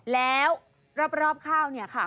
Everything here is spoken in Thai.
แล้วรอบข้าวเนี่ยค่ะ